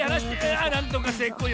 あなんとかせいこう。